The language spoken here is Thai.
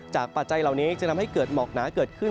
ปัจจัยเหล่านี้จะทำให้เกิดหมอกหนาเกิดขึ้น